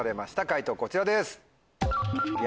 解答こちらです。